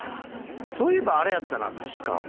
そういえばあれやったな確か。